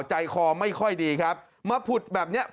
ใจคอไม่ค่อยดีครับมาผุดแบบนี้